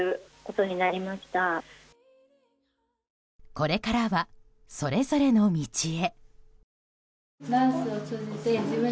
これからは、それぞれの道へ。